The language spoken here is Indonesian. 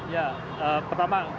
ya pertama sekali